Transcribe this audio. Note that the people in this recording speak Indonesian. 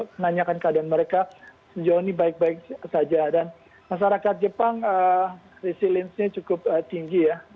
menanyakan keadaan mereka sejauh ini baik baik saja dan masyarakat jepang resilience nya cukup tinggi ya